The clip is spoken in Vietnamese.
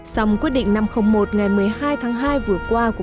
sòng quyết định năm trăm linh một ngày một mươi hai tháng hai vừa qua